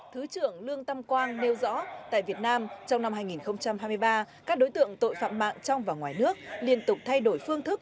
thứ trưởng lương tâm quang nêu rõ tại việt nam trong năm hai nghìn hai mươi ba các đối tượng tội phạm mạng trong và ngoài nước liên tục thay đổi phương thức